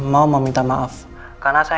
mau meminta maaf karena saya